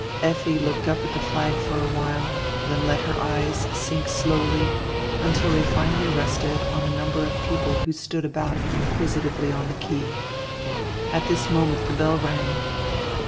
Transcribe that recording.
Effi looked up at die flag for a while, then let her eyes sink slowly until they finally rested on a num ber of people who stood about inquisitively on the quay. At this moment the bell rang.